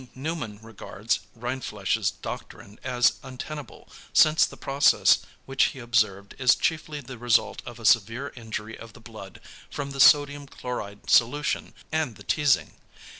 Neumann regards Rindfleisch's doctrine as untenable, since the process which he observed is chiefly the result of a severe injury of the blood from the sodium chloride solution and the teasing.